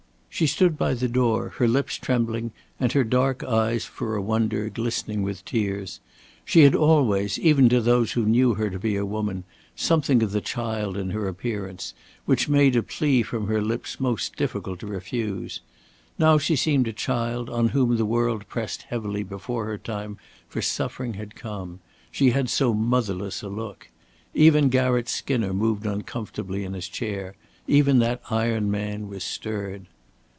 She stood by the door, her lips trembling and her dark eyes for a wonder glistening with tears. She had always, even to those who knew her to be a woman, something of the child in her appearance, which made a plea from her lips most difficult to refuse. Now she seemed a child on whom the world pressed heavily before her time for suffering had come; she had so motherless a look. Even Garratt Skinner moved uncomfortably in his chair; even that iron man was stirred.